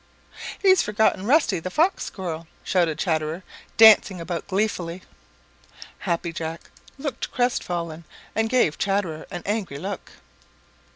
"He's forgotten Rusty the Fox Squirrel," shouted Chatterer, dancing about gleefully. Happy Jack looked crestfallen and gave Chatterer an angry look.